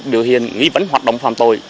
điều hiền nghi vấn hoạt động phạm tội